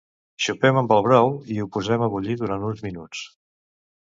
Xopem amb el brou i ho posem a bullir durant uns minuts.